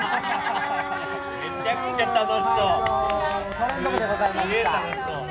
「トレンド部」でございました。